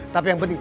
tapi yang penting